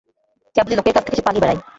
কেবলই লোকের কাছ থেকে সে পালিয়ে বেড়ায়।